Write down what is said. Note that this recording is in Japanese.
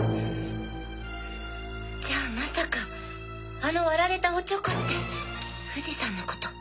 じゃあまさかあの割られたオチョコって富士山のこと？